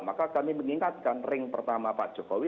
maka kami mengingatkan ring pertama pak jokowi